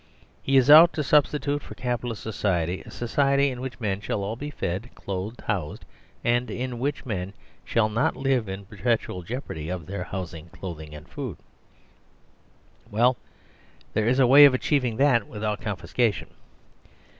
He is out to sub stitute for Capitalist society a society in which men shall all be fed, clothed, housed, and in which men shall not live in a perpetual jeopardy of their hous ing, clothing, and food. Well, there is a way of achieving that without confiscation.